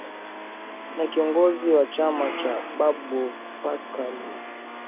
na kiongozi wa chama cha bagbo pascal lafangwesan